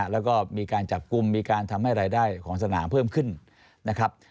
แล้วก็มีการจับกลุ่มมีการทำให้รายได้ของสนามเพิ่มขึ้นนะครับ